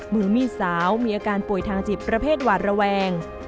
มือมีดสาวมีอาการป่วยทางจิตประเภทหวาดระแวง